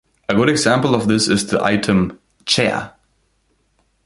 A good example of this is the item "chair".